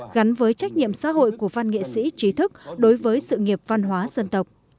gắn với trách nhiệm xã hội của văn nghệ sĩ trí thức đối với sự nghiệp văn hóa dân tộc